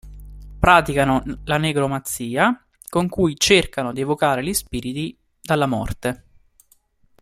Praticano la negromanzia, con cui cercano di evocare gli spiriti dalla morte.